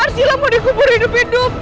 arsila mau dikubur hidup hidup